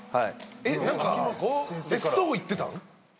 えっ別荘行ってたの？